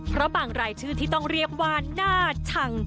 เพราะบางรายชื่อที่ต้องเรียกว่าน่าชัง